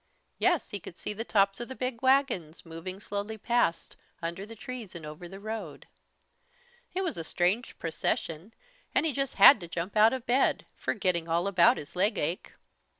Yes, he could see the tops of the big wagons, moving slowly past, under the trees and over the road. It was a strange procession and he just had to jump out of bed, forgetting all about his leg ache.